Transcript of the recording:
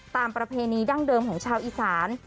ประเพณีดั้งเดิมของชาวอีสาน